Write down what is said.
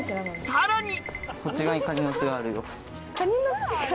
さらに！